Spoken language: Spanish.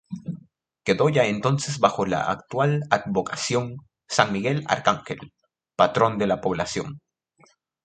Quedó ya entonces bajo la actual advocación, San Miguel Arcángel, patrón de la población.